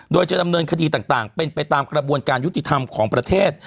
โดยจะดำเนินคดีต่างเป็นไปตามกระบวนการยุติธรรมของประเทศ